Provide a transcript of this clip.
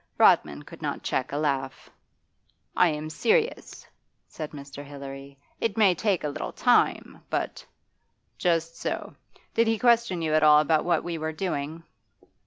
Rodman could not check a laugh. 'I am serious,' said Mr. Hilary. 'It may take a little time, but ' 'Just so. Did he question you at all about what we were doing?